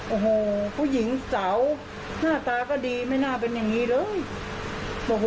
โอ้โหผู้หญิงสาวหน้าตาก็ดีไม่น่าเป็นอย่างนี้เลย